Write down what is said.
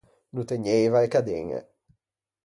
No tegnieiva e cadeñe.